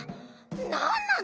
なんなの？